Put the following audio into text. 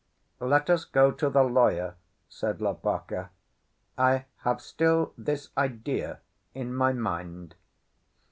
"Let us go to the lawyer," said Lopaka; "I have still this idea in my mind."